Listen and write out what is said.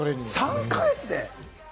３か月で？